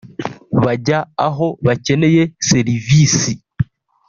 Bajya aho bakeneye serivisi